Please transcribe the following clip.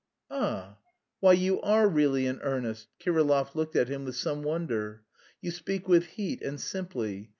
"Ah! Why, you are really in earnest?" Kirillov looked at him with some wonder. "You speak with heat and simply....